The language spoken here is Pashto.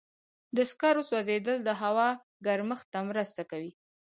د سکرو سوځېدل د هوا ګرمښت ته مرسته کوي.